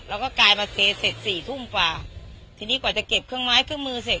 แล้วก็กลายมาเซเสร็จสี่ทุ่มกว่าทีนี้กว่าจะเก็บเครื่องไม้เครื่องมือเสร็จ